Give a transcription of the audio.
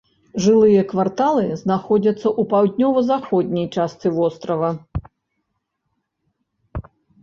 Жылыя кварталы знаходзяцца ў паўднёва-заходняй частцы вострава.